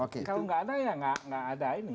kalau gak ada ya gak ada ini